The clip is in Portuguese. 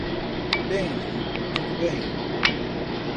Bem, tudo bem.